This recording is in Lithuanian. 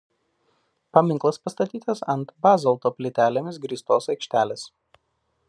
Paminklas pastatytas ant bazalto plytelėmis grįstos aikštelės.